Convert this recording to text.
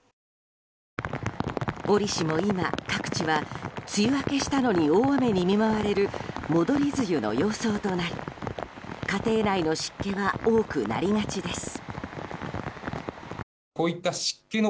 折しも今各地は梅雨明けしたのに大雨に見舞われる戻り梅雨の様相となり家庭内の湿気が多くなりがちです。